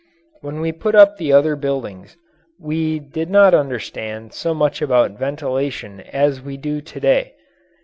When we put up the older buildings, we did not understand so much about ventilation as we do to day.